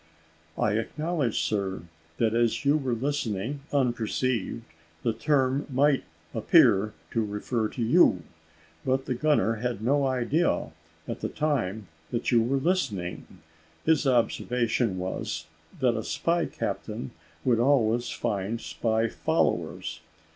'" "I acknowledge, sir, that as you were listening unperceived, the term might appear to refer to you; but the gunner had no idea, at the time, that you were listening. His observation was, that a spy captain would always find spy followers.